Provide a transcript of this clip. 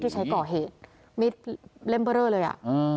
ใช้ก่อเหตุเล่มเบอร์เรอเลยอะ